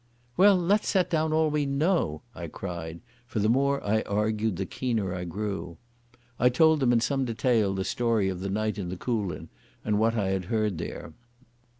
"Well, let's set down all we know," I cried, for the more I argued the keener I grew. I told them in some detail the story of the night in the Coolin and what I had heard there.